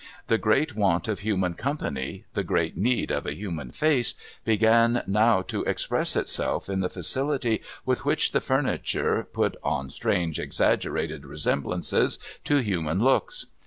The great want of human company, the great need of a human face, began now to express itself in the facility Avith which the furniture put on strange exaggerated resemblances to human looks.